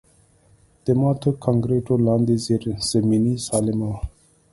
د ماتو کانکریټونو لاندې زیرزمیني سالمه وه